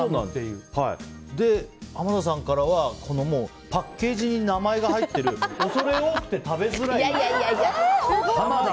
浜田さんからはパッケージに名前が入っている恐れ多くて食べづらい。